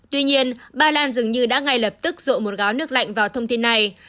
tuy nhiên bà đan dường như đã ngay lập tức rộ một gáo nước lạnh vào thông tin này